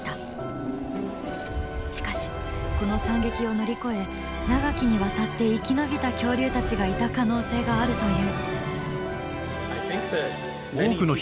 しかしこの惨劇を乗り越え長きにわたって生き延びた恐竜たちがいた可能性があるという。